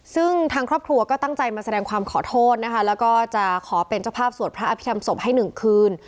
ซึ่งทางครอบครัวก็ตั้งใจมาแสดงความขอโทษนะคะแล้วก็จะขอเป็นเจ้าภาพสวดพระอภิษฐรรมศพให้๑คืน